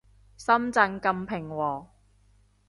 深圳咁平和